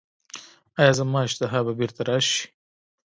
ایا زما اشتها به بیرته راشي؟